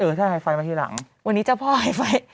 เออใช่ไฮไฟล์มาทีหลังวันนี้เจ้าพ่อไฮไฟล์